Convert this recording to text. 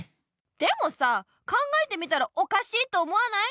でもさ考えてみたらおかしいと思わない？